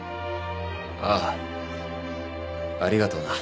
ああ。ありがとな。